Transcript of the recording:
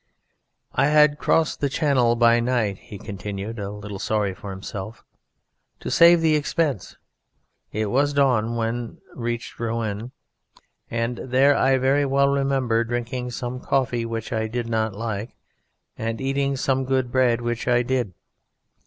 "I had crossed the Channel by night," he continued, a little sorry for himself, "to save the expense. It was dawn when reached Rouen, and there I very well remember drinking some coffee which I did not like, and eating some good bread which I did.